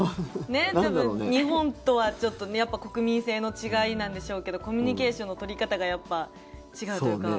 多分、日本とはちょっと国民性の違いなんでしょうけどコミュニケーションの取り方がやっぱ違うというか。